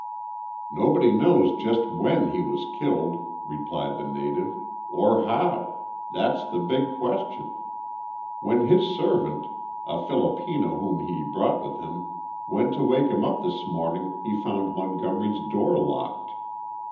"Nobody knows just when he was killed," replied the native, "or how. That's the big question. When his servant, a Filipino whom he brought with him, went to wake him up this morning he found Montgomery's door locked.